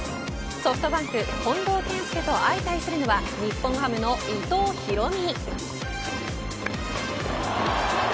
ソフトバンク近藤健介と相対するのは日本ハムの伊藤大海。